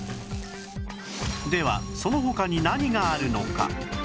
ではその他に何があるのか？